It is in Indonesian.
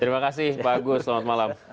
terima kasih pak agus selamat malam